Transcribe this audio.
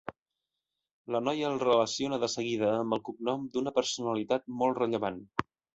La noia el relaciona de seguida amb el cognom d'una personalitat molt rellevant.